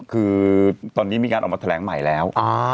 คือตอนนี้มีการออกมาแถลงใหม่แล้ว